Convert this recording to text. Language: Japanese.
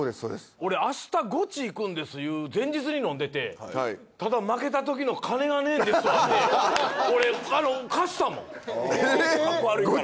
俺明日「ゴチ」行くんですいう前日に飲んでてただ負けたときの金がねえですわって俺貸したもんかっこ悪いから。